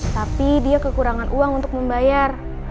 tapi dia kekurangan uang untuk membayar